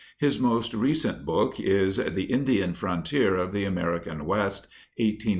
His most recent book is The Indian Frontier of the American West, 1846 1890.